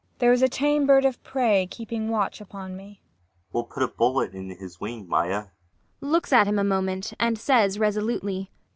MAIA. There is a tame bird of prey keeping watch upon me. ULFHEIM. [Wildly.] We'll put a bullet in his wing, Maia! MAIA. [Looks at him a moment, and says resolutely.